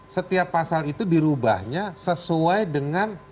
setiap pasal itu dirubahnya sesuai dengan